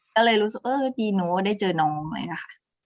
ก็เลยรู้สึกเออดีหนูก็ได้เจอน้องไว้นะคะ